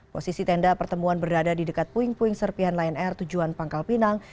posisi tenda pertemuan berada di dekat puing puing serpihan lion air tujuan pangkal pinang